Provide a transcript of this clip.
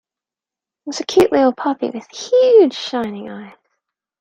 It was a cute little puppy, with huge shining eyes.